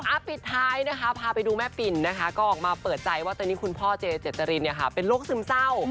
อัพปิดท้ายพาไปดูแม่ปิ่นก็ออกมาเปิดใจว่าตอนนี้คุณพ่อเจเจษฎรินเป็นโลกซึมเศร้า